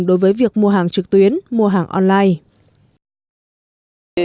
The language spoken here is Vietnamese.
đối với việc mua hàng trực tuyến mua hàng online